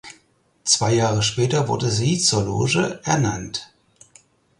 Zwei Jahre später wurde sie zur Loge ernannt.